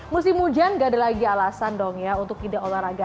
musim hujan gak ada lagi alasan dong ya untuk tidak olahraga